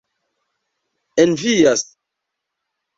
envias